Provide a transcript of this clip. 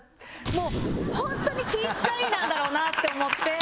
もう本当に気ぃ使いなんだろうなって思って。